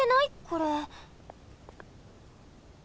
これ。